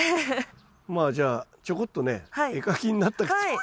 まあじゃあちょこっとね絵描きになったつもりで。